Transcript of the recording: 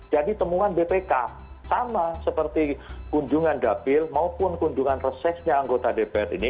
jadi temuan bpk sama seperti kunjungan dapil maupun kunjungan resesnya anggota dpr ini